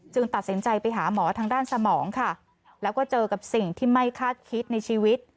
ตัดสินใจไปหาหมอทางด้านสมองค่ะแล้วก็เจอกับสิ่งที่ไม่คาดคิดในชีวิต